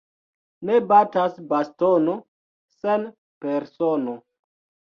Ne batas bastono sen persono.